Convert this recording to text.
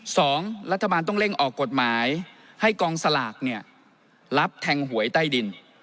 สองรัฐบาลต้องเร่งออกกฎหมายให้กองสลากเนี่ยรับแทงหวยใต้ดิน